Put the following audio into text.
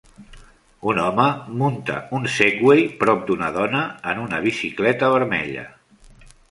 Un home munta un Segway prop d'una dona en una bicicleta vermella.